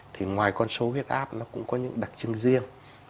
thì ngoài con số huyết áp nó cũng có những đặc trưng riêng